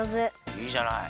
いいじゃない。